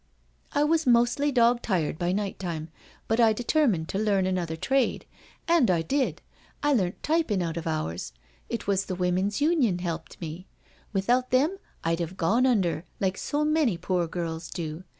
" I was mostly dog tired by night time, but I deter mined to learn another trade — ^and I did — I learnt typin' out of hours. It was the Women's Union helped me. Without them I'd 'ave gone under, like so many poor girls do.